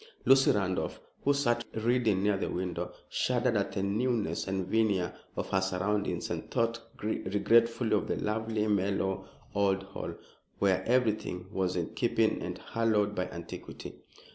Lucy Randolph, who sat reading near the window, shuddered at the newness and veneer of her surroundings and thought regretfully of the lovely, mellow old Hall, where everything was in keeping and hallowed by antiquity.